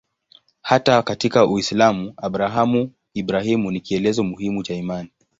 Hata katika Uislamu Abrahamu-Ibrahimu ni kielelezo muhimu cha imani.